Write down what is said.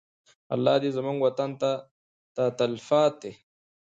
الله دې زموږ وطن ته تلپاته.